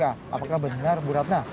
apakah benar bu ratna